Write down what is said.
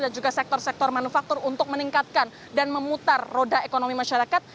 dan juga sektor sektor manufaktur untuk meningkatkan dan memutar roda ekonomi masyarakat